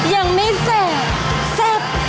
ยังไม่แซ่บ